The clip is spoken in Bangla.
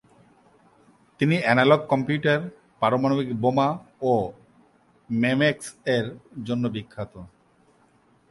তিনি অ্যানালগ কম্পিউটার, পারমাণবিক বোমা ও মেমেক্স-এর জন্য বিখ্যাত।